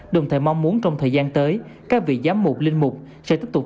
đồng thời mong muốn trong thời gian tới các vị giám mục linh mục sẽ tiếp tục